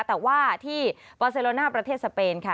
แต่ว่าที่ปาเซโลน่าประเทศสเปนค่ะ